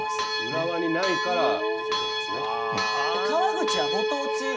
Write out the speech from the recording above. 浦和にないからって事なんですね。